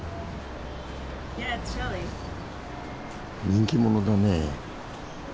人気者だね。